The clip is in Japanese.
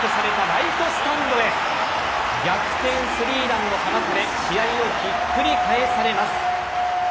３ランを放たれ試合をひっくり返されます。